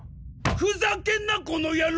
ふざけんなこの野郎！